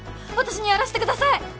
私にやらせてください！